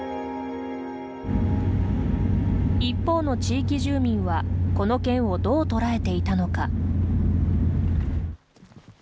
一方の地域住民はこの件をどう捉えていたのか。